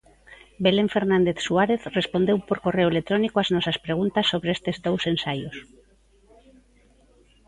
Belén Fernández Suárez respondeu por correo electrónico as nosas preguntas sobre estes dous ensaios.